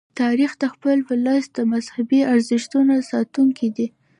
تاریخ د خپل ولس د مذهبي ارزښتونو ساتونکی دی.